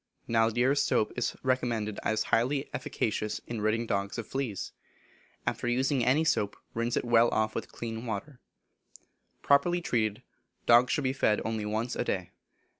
Naldire's soap is recommended as highly efficacious in ridding dogs of fleas. After using any soap rinse it well off with clean water. Properly treated, dogs should be fed only once a day.